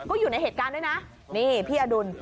ก็อยู่ในเหตุการณ์ด้วยนะนี่พี่อดุล